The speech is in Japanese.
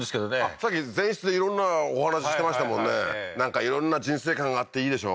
さっき前室で色んなお話ししてましたもんねなんか色んな人生観があっていいでしょ？